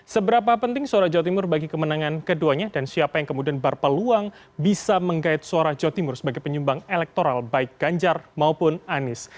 seberapa penting suara jawa timur bagi kemenangan keduanya dan siapa yang kemudian berpeluang bisa menggait suara jawa timur sebagai penyumbang elektoral baik ganjar maupun anies